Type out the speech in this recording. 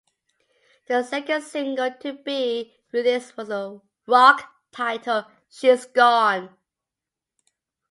The second single to be released was the rock title "She's Gone".